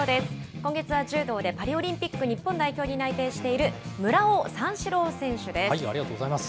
今月は柔道でパリオリンピック日本代表に内定している村尾三四郎ありがとうございます。